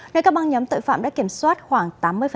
nơi các băng nhóm tội phạm đã kiểm soát khoảng tám mươi